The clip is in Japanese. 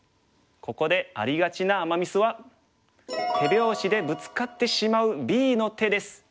ここでありがちなアマ・ミスは手拍子でブツカってしまうＢの手です。